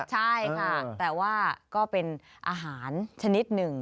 ใช่ค่ะแต่ว่าก็เป็นอาหารชนิดหนึ่ง